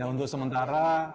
ya untuk sementara